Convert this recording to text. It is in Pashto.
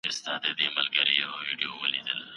کمپيوټر د انسان ژوند بدل کړی دی.